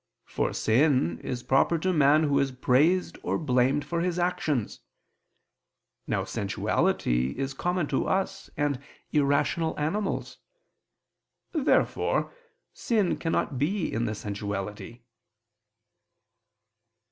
For sin is proper to man who is praised or blamed for his actions. Now sensuality is common to us and irrational animals. Therefore sin cannot be in the sensuality.